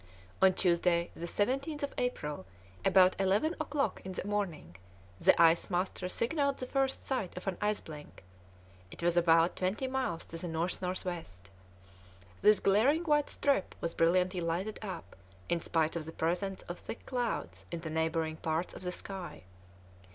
On Tuesday the 17th of April, about eleven o'clock in the morning, the ice master signalled the first sight of the ice blink; it was about twenty miles to the N.N.W. This glaring white strip was brilliantly lighted up, in spite of the presence of thick clouds in the neighbouring parts of the sky.